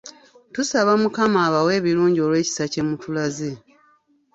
Tusaba mukama abawe ebirungi olw’ekisa kye mutulaze.